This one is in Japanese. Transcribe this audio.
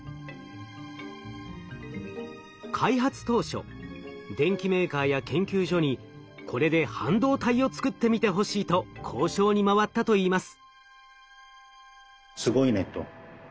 開発当初電機メーカーや研究所に「これで半導体をつくってみてほしい」と交渉に回ったといいます。